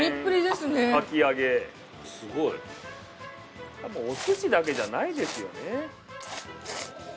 すごい。お寿司だけじゃないですよね。